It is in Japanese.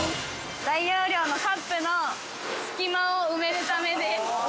大容量のカップの隙間を埋めるためです。